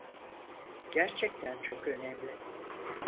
Gerçekten çok önemli.